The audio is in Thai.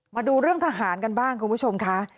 มาดูเรื่องทหารกันบ้างคุณผู้ชมค่ะ